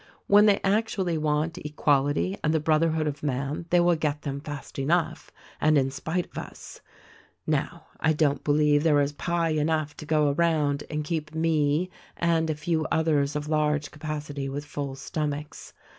"When they actually want Equality and the Brotherhood of Man they will get them fast enough — and in spite of us. 202 THE RECORDING ANGEL "Now, I don't believe there is pie enough to go around and keep me and a few others of large capacity with full stomachs.